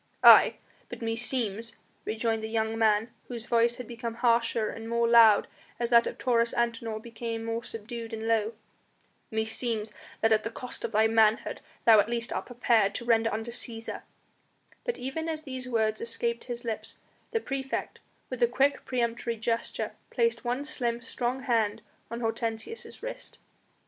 "Aye! but meseems," rejoined the young man, whose voice had become harsher and more loud as that of Taurus Antinor became more subdued and low, "meseems that at the cost of thy manhood thou at least art prepared to render unto Cæsar " But even as these words escaped his lips the praefect, with a quick peremptory gesture, placed one slim, strong hand on Hortensius' wrist.